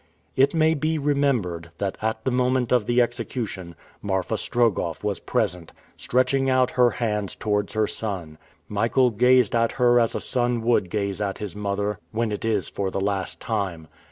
It may be remembered, that at the moment of the execution, Marfa Strogoff was present, stretching out her hands towards her son. Michael gazed at her as a son would gaze at his mother, when it is for the last time.